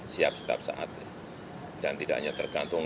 siap setiap saat dan tidak hanya tergantung